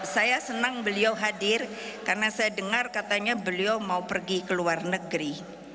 saya senang beliau hadir karena saya dengar katanya beliau mau pergi ke luar negeri